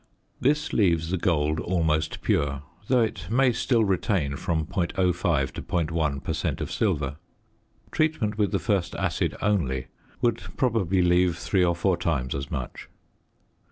This leaves the gold almost pure, though it may still retain from .05 to .1 per cent. of silver. Treatment with the first acid only would probably leave three or four times as much.